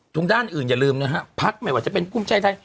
ทุกด้านอื่นอย่าลืมนะฮะพักไหมว่าจะเป็นผู้ใช้ได้